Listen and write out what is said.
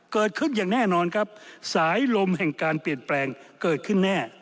เกิดขึ้นอย่างแน่นอนครับสายลมแห่งการเปลี่ยนแปลงเกิดขึ้นแน่